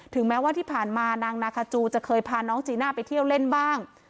แม้ว่าที่ผ่านมานางนาคาจูจะเคยพาน้องจีน่าไปเที่ยวเล่นบ้าง